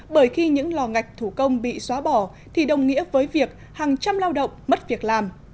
bởi khi những lò gạch thủ công bị xóa bỏ thì đồng nghĩa với việc hàng trăm lao động mất việc làm